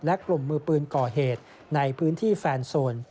และกลุ่มมือปืนก่อเหตุในพื้นที่แฟนโซน